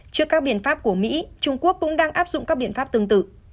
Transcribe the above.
trước các biện pháp của mỹ trung quốc cũng đang áp dụng các biện pháp tương tự